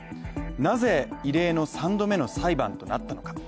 なぜ異例の３度目の裁判となったのか。